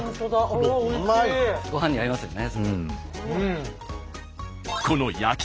ご飯に合いますよね。